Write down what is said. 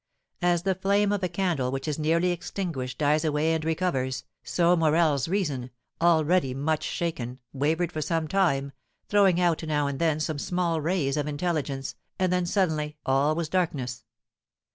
As the flame of a candle which is nearly extinguished dies away and recovers, so Morel's reason, already much shaken, wavered for some time, throwing out now and then some small rays of intelligence, and then suddenly all was darkness.